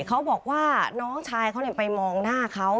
เขาบอกว่าน้องชายเขาไปมองหน้าเขา